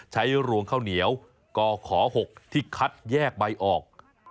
รวงข้าวเหนียวกข๖ที่คัดแยกใบออก